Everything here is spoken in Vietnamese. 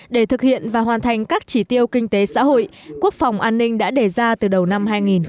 để thực hiện và hoàn thành các chỉ tiêu kinh tế xã hội quốc phòng an ninh đã đề ra từ đầu năm hai nghìn một mươi chín